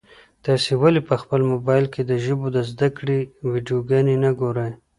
تاسي ولي په خپل موبایل کي د ژبو د زده کړې ویډیوګانې نه ګورئ؟